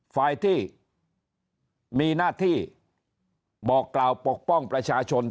ฝ่ายที่มีหน้าที่บอกกล่าวปกป้องประชาชน